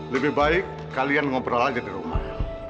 lebih baik kalian ngobrol aja di rumah